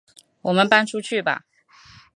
我们搬出去吧